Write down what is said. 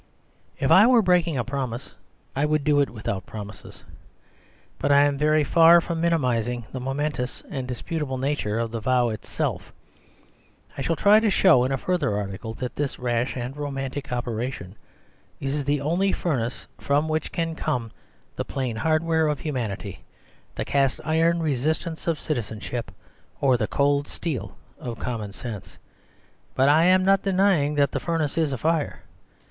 If I were breaking a promise, I would do it without promises. But I am very far from minimising the momentous and disputable nature of the vow itself. I shall try to show, in a further article, that this rash and romantic operation is the only fur nace from which can come the plain hardware of humanity, the cast iron resistance of citizen ship or the cold steel of common sense ; but I am not denying ^hat the furnace is a fire.